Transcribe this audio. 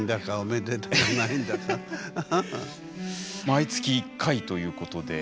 毎月１回ということで。